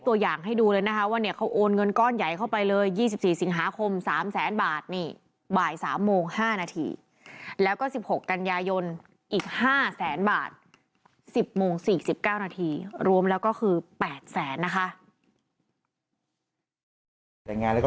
กัญญายนอีก๕แสนบาท๑๐โมง๔๙นาทีรวมแล้วก็คือ๘แสนนะคะ